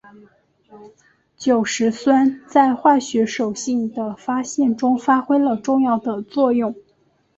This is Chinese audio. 酒石酸在化学手性的发现中发挥了重要的作用。